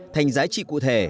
thành giá trị cụ thể